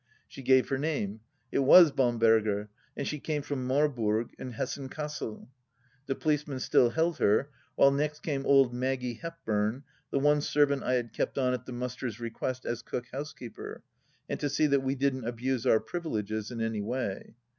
She gave her name. It was Bamberger, and she came from Marburg in Hessen Cassel. The policeman still held her, while next came old Maggie Hepburn, the one servant I had kept on at the Musters' re quest as cook housekeeper, and to see that we didn't abuse our privileges in any way.